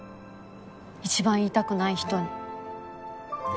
一番言いたくない人に。